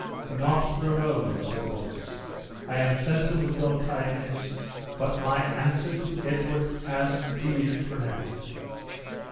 "Not for a moment," said Wallace; "I am sensible of your kindness; but my answer to Edward has been pronounced."